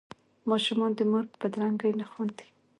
ماشومان د مور په بدرنګۍ نه خاندي.